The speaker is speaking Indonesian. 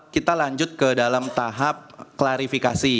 kita lanjut ke dalam tahap klarifikasi